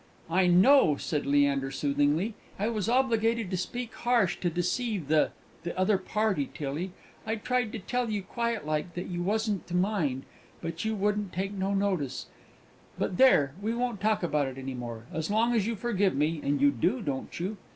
"I know," said Leander, soothingly. "I was obligated to speak harsh, to deceive the the other party, Tillie. I tried to tell you, quiet like, that you wasn't to mind; but you wouldn't take no notice. But there, we won't talk about it any more, so long as you forgive me; and you do, don't you?"